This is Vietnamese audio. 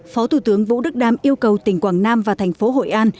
phó thủ tướng vũ đức đam yêu cầu tỉnh quảng nam và thành phố hội an